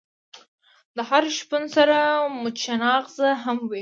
د هر شپون سره مچناغزه هم وی.